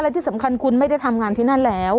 และที่สำคัญคุณไม่ได้ทำงานที่นั่นแล้ว